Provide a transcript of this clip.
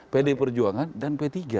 pd perjuangan dan p tiga